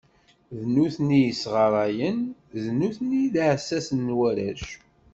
D nutni i yesɣarayen, d nutni i d iεessasen n warrac.